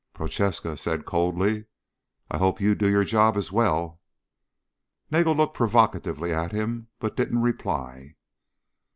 Prochaska said coldly. "I hope you do your job as well." Nagel looked provocatively at him but didn't reply.